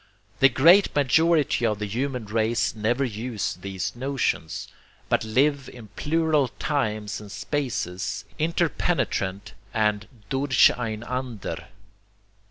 The great majority of the human race never use these notions, but live in plural times and spaces, interpenetrant and DURCHEINANDER.